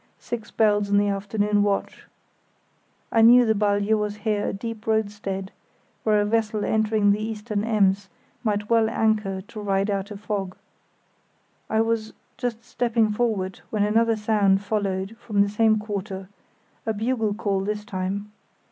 "Six bells in the afternoon watch." I knew the Balje was here a deep roadstead, where a vessel entering the Eastern Ems might very well anchor to ride out a fog. I was just stepping forward when another sound followed from the same quarter, a bugle call this time.